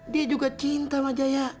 dia juga cinta sama jaya